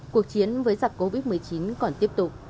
cuộc chiến với giặc covid một mươi chín còn tiếp tục